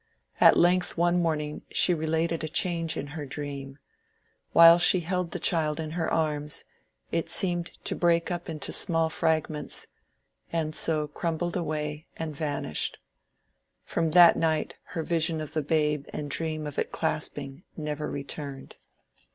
At length one morning she related a change in her dream : while she held the child in her arms it had seemed to break up into CARLYLE TALKS OF HIS LIFE 99 small fragments, and so crumbled away and vanished. From that night her vision of the babe and dream of clasping it never returned.